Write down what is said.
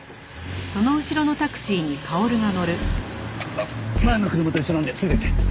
あっ前の車と一緒なんでついていって。